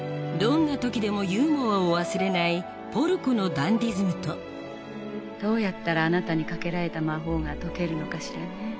どんな時でもユーモアを忘れないポルコのダンディズムとどうやったらあなたにかけられた魔法が解けるのかしらね。